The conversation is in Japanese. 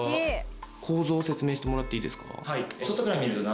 構造を説明してもらっていいですか？